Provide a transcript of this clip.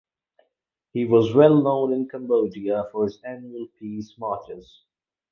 He was well known in Cambodia for his annual peace marches.